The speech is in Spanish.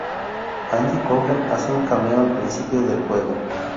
Andy Cohen hace un cameo al principio del juego.